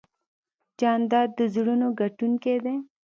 جانداد د زړونو ګټونکی دی.